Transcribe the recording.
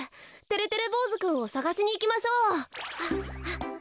てれてれぼうずくんをさがしにいきましょう。